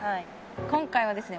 今回はですね